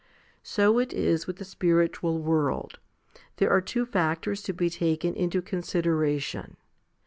So is it with the spiritual world. There are two factors to be taken into consideration.